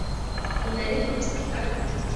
Unalipwa pesa ngapi?